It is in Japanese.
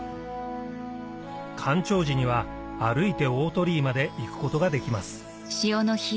干潮時には歩いて大鳥居まで行くことができます